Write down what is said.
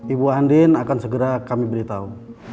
ibu andin akan segera kami beritahu